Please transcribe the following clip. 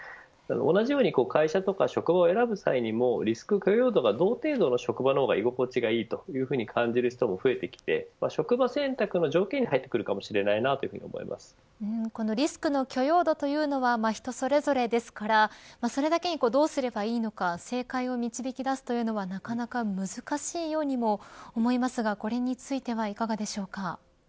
同じように会社とか職場を選ぶ際にも、リスク許容度が同程度の職場の方が居心地がいいと感じる人も増えてきて職場選択の条件に入ってくるかもしれないなリスクの許容度というのは人それぞれですからそれだけにどうすればいいのか正解を導き出すというのはなかなか難しいようにも思いますがこれについてはいかがですか。